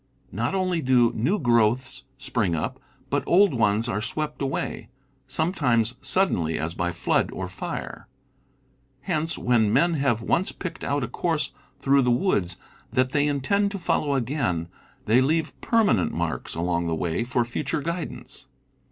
Not only do new growths spring up, but old ones are swept away, sometimes suddenly, as by flood or flre. Hence, when men have once picked out a course through the woods that they intend to follow again, they leave permanent marks along the way for future guidance.